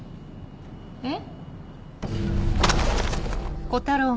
えっ？